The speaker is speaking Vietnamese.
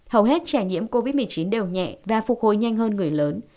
hầu hết trẻ nhiễm covid một mươi chín đều nhẹ và phục hồi nhanh hơn người lớn